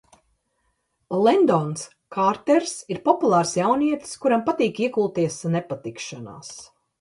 Lendons Kārters ir populārs jaunietis, kuram patīk iekulties nepatikšanās.